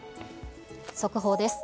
速報です。